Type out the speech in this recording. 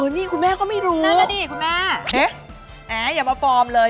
อย่ามาฟอร์มเลย